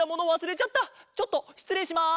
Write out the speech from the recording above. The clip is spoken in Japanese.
ちょっとしつれいします！